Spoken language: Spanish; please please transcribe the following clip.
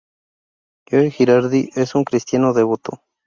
Joe Girardi es un cristiano devoto.